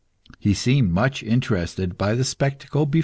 He seemed much interested by the spectacle before him.